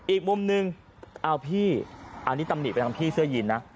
อีกมุมนึงเอ้าพี่อันนี้ตำหนิล่ะครับพี่เสื้อหยินนะ